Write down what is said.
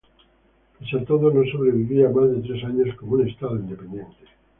Pese a todo no sobrevivía más de tres años como un estado independiente.